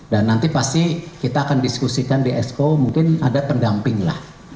dan nanti pasti kita akan diskusikan di esko mungkin ada pendamping lah